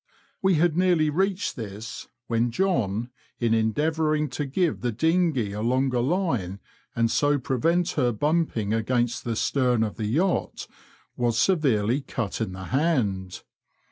We had nearly reached this, when John, in endeavouring to give the dinghey a longer Une, and so prevent her bumping against the stern of the yacht, was severely cut in the hand.